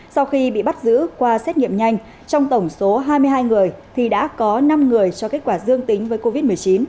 sau khi bị bắt giữ qua xét nghiệm nhanh trong tổng số hai mươi hai người thì đã có năm người cho kết quả dương tính với covid một mươi chín